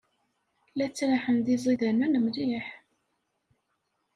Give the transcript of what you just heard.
La ttraḥen d iẓidanen mliḥ.